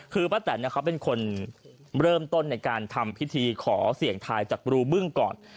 คือป้าแตนเขาเป็นคนเริ่มต้นในการทำพิธีขอเสี่ยงทายจากรูบึ้งก่อน